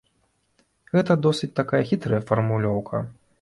Гэта досыць такая хітрая фармулёўка.